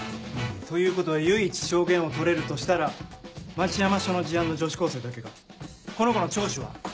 ということは唯一証言を取れるとしたら町山署の事案の女子高生だけかこの子の聴取は？